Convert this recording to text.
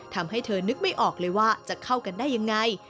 ทำให้เธอนึกไม่ออกเลยว่าจะเข้ากันได้ยังไง